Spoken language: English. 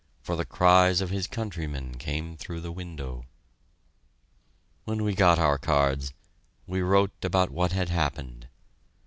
for the cries of his countrymen came through the window. When we got our cards, we wrote about what had happened.